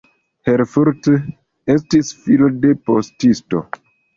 Herfurth estis filo de postisto.